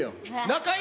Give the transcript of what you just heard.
中居